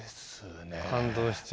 感動しちゃう。